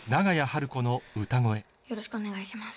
よろしくお願いします。